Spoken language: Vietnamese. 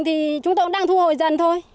thì chúng tôi cũng đang thu hồi dần thôi